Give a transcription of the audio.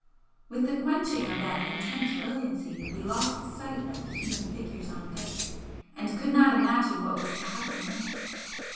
With the quenching of that intense brilliancy we lost sight of the human figures on deck and could not imagine what was to happen next.